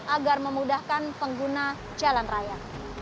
agar memudahkan pengguna jalan raya